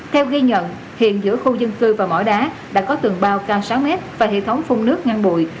theo ghi nhận hiện giữa khu dân cư và mỏ đá đã có tường bao cao sáu mét và hệ thống phun nước ngăn bụi